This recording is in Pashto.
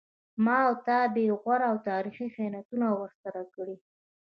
ما و تا بې غوره او تاریخي خیانتونه ورسره کړي